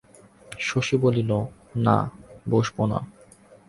শশী বলিল, না, বসব না।